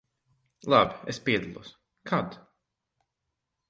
Labi, es piedalos. Kad?